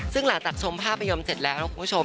ซึ่งหลังจากชมภาพยนตร์เสร็จแล้วนะคุณผู้ชม